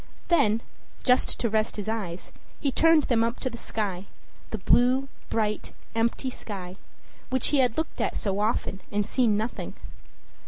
Then, just to rest his eyes, he turned them up to the sky the blue, bright, empty sky, which he had looked at so often and seen nothing.